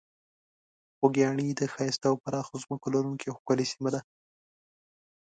خوږیاڼي د ښایسته او پراخو ځمکو لرونکې یوه ښکلې سیمه ده.